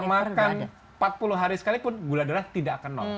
mau kita nggak makan empat puluh hari sekalipun gula darah tidak akan nol